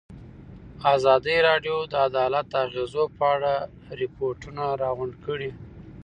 ازادي راډیو د عدالت د اغېزو په اړه ریپوټونه راغونډ کړي.